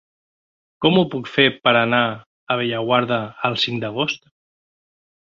Com ho puc fer per anar a Bellaguarda el cinc d'agost?